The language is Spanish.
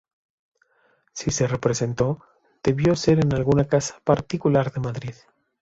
Si se representó, debió ser en alguna casa particular de Madrid.